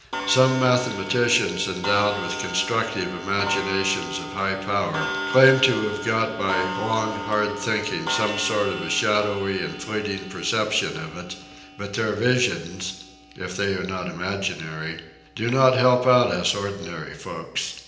Some mathematicians endowed with constructive imaginations of high power claim to have got by long hard thinking some sort of a shadowy and fleeting perception of it, but their visions — if they are not imaginary — do not help out us ordinary folks.